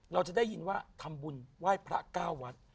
เราจะได้ยินว่าทำบุญไหว้พระเก้าวัด